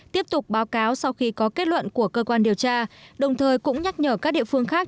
tiếp tục báo cáo sau khi có kết luận của cơ quan điều tra đồng thời cũng nhắc nhở các địa phương khác